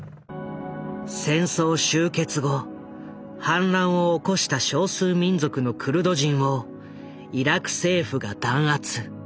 戦争終結後反乱を起こした少数民族のクルド人をイラク政府が弾圧。